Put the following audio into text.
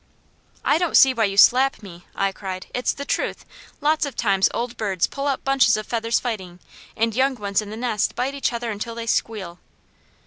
"I don't see why you slap me!" I cried. "It's the truth! Lots of times old birds pull out bunches of feathers fighting, and young ones in the nests bite each other until they squeal."